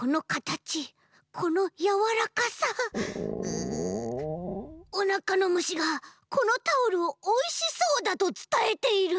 ううおなかのむしがこのタオルをおいしそうだとつたえている。